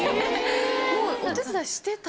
もうお手伝いしてた。